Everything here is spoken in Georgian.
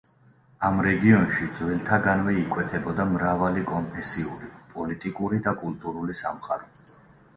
ამ რეგიონში ძველთაგანვე იკვეთებოდა მრავალი კონფესიური, პოლიტიკური და კულტურული სამყარო.